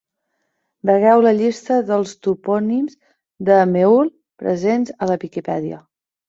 Vegeu la llista dels Topònims del Meüll presents a la Viquipèdia.